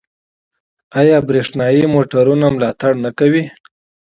آیا د بریښنايي موټرو ملاتړ نه کوي؟